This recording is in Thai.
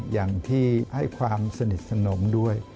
อย่างที่ให้ความสนิทสนมด้วย